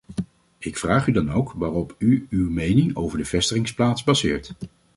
Ik vraag u dan ook waarop u uw mening over de vestigingsplaats baseert.